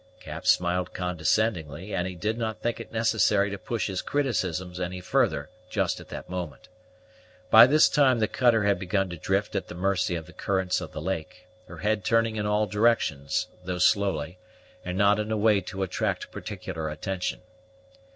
Cap smiled condescendingly, but he did not think it necessary to push his criticisms any further just as that moment. By this time the cutter had begun to drift at the mercy of the currents of the lake, her head turning in all directions, though slowly, and not in a way to attract particular attention.